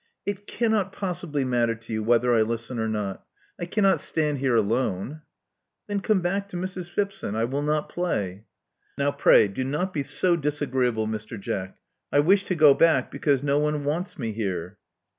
••It cannot possibly matter to you whether I listen or not. I cannot stand here alone." ••Then come back to Mrs. Phipson* I will not play." ••Now pray do not be so disagreeable, Mr. Jack. I wish to go back because no one wants me here."